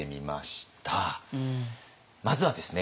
まずはですね